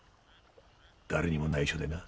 誰にも内緒でな。